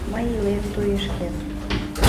Мый илем туешкен.